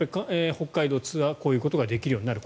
北海道ツアーはこういうことができるようになる。